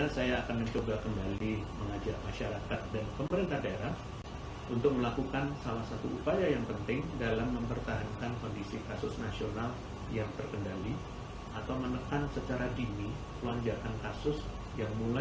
saya akan lanjutkan dengan sisi tanya jawab media terima kasih